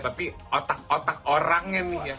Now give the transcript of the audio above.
tapi otak otak orangnya nih